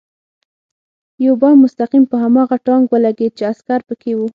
یو بم مستقیم په هماغه ټانک ولګېد چې عسکر پکې و